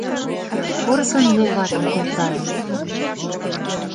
Порсын йолватым колтальым.